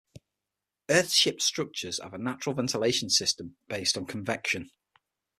Earthships structures have a natural ventilation system based on convection.